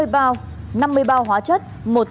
tám mươi bao năm mươi bao hóa chất